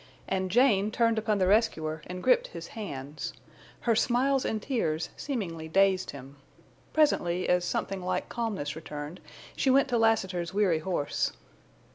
And Jane turned upon the rescuer and gripped his hands. Her smiles and tears seemingly dazed him. Presently as something like calmness returned, she went to Lassiter's weary horse.